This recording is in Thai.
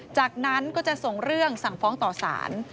จากนั้นก็จะส่งเรื่องสั่งฟ้องต่อสาร